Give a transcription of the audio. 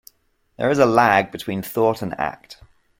There is a lag between thought and act.